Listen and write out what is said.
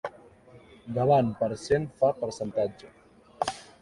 Davant per cent fa percentatge.